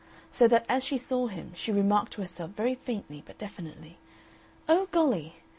So that as she saw him she remarked to herself very faintly but definitely, "Oh, golly!"